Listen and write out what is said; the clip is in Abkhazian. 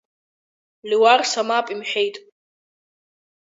Леуарса мап имҳәеит.